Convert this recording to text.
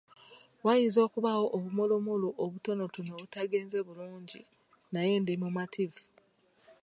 Wayinza okubaawo obumulumulu obutonotono obutagenze bulungi naye ndi mumativu.